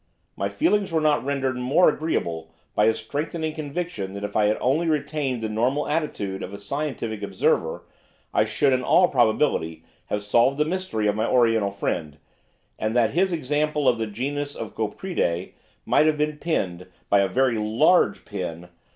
My feelings were not rendered more agreeable by a strengthening conviction that if I had only retained the normal attitude of a scientific observer I should, in all probability, have solved the mystery of my oriental friend, and that his example of the genus of copridae might have been pinned, by a very large pin!